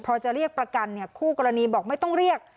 พอจะเรียกประกันคู่กรณีบอกไม่ต้องเรียก